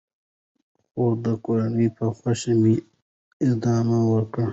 خو د کورنۍ په خوښه مې ادامه ورکړه .